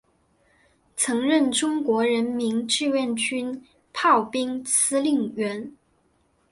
曾任中国人民志愿军炮兵司令员。